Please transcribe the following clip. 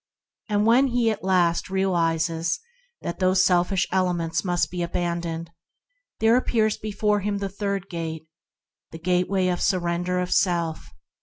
When he at last realizes that these selfish elements must also be abandoned, there appears before him the third Gate: the Gateway of Surrender of Self.